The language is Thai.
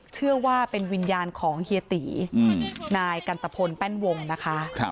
เชื่อว่าเป็นวิญญาณของเฮียตีนายกันตะพลแป้นวงนะคะ